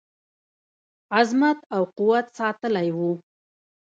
عظمت او قوت ساتلی وو.